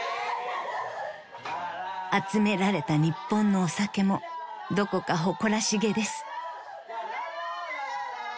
［集められた日本のお酒もどこか誇らしげです］